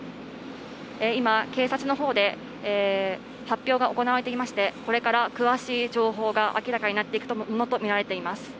今、警察のほうで発表が行われていまして、これから詳しい情報が明らかになっていくものとみられています。